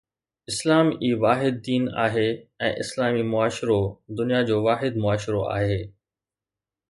اسلام ئي واحد دين آهي ۽ اسلامي معاشرو دنيا جو واحد معاشرو آهي